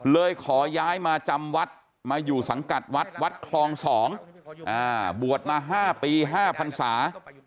เลยขอย้ายมาจำวัดมาอยู่สังกัดวัดวัดคลอง๒บวชมา๕ปี๕พันศา